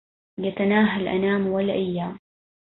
يتناهى الأنام والأيام